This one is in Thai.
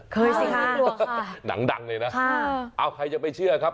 สิคะหนังดังเลยนะเอาใครจะไปเชื่อครับ